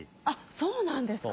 そうなんですか？